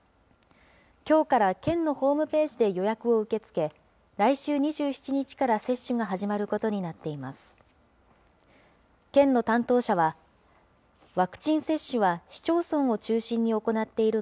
きょうから県のホームページで予約を受け付け、来週２７日から接種が始まることになっています。